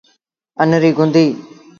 ان ريٚ گُنديٚ